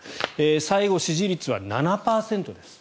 最後、支持率は７％です。